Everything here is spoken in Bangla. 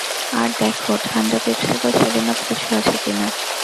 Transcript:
আর দেখ, ঠাণ্ডা পেপসি বা সেভেন আপ কিছু আছে কি না।